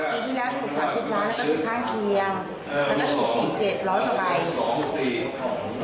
มีทีล้านถูก๓๐ล้านต้นทุกทางเคียงเค้าต้องถูก๔๗๐๐กว่าก่อน